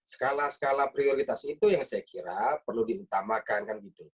skala skala prioritas itu yang saya kira perlu diutamakan